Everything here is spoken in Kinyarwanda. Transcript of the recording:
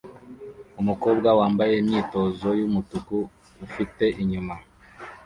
Umukobwa wambaye imyitozo yumutuku ufite inyuma